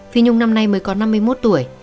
phi nhung năm nay mới có năm mươi một